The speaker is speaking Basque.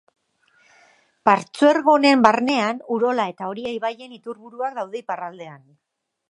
Partzuergo honen barnean, Urola eta Oria ibaien iturburuak daude iparraldean.